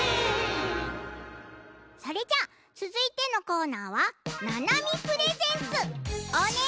それじゃあつづいてのコーナーはななみプレゼンツ！